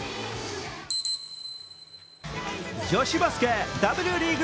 女子バスケＷリーグ